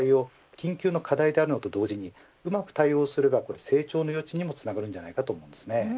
緊急の課題であるのと同時にうまく対応すれば成長の余地にもつながると思います。